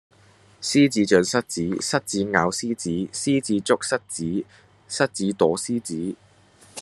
獅子長蝨子，蝨子咬獅子，獅子抓蝨子，蝨子躲獅子